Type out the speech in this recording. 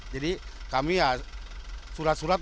jadi kami ya surat surat